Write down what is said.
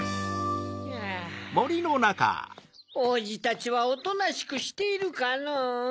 おうじたちはおとなしくしているかのう。